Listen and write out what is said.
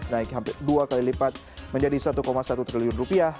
dua ribu empat belas naik hampir dua kali lipat menjadi satu satu triliun rupiah